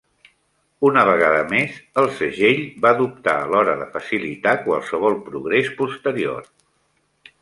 Una vegada més, el segell va dubtar a l'hora de facilitar qualsevol progrés posterior.